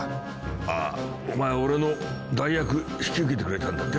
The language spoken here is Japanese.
あっお前俺の代役引き受けてくれたんだってな。